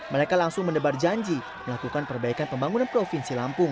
mereka langsung mendebar janji melakukan perbaikan pembangunan provinsi lampung